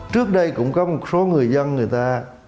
trước đây cũng có một số người dân người ta